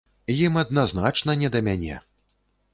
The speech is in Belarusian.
Ім адназначна не да мяне.